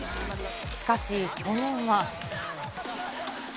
しかし去年は。